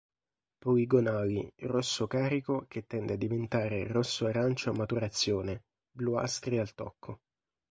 Poligonali, rosso carico che tende a diventare rosso arancio a maturazione, bluastri al tocco.